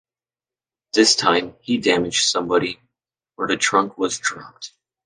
This time he damaged somebody, for the trunk was dropped.